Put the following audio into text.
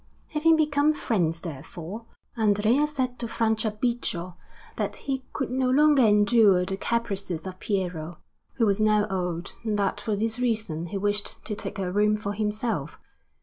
Having become friends, therefore, Andrea said to Franciabigio that he could no longer endure the caprices of Piero, who was now old, and that for this reason he wished to take a room for himself.